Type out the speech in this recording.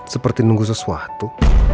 seperti nunggu sesuatu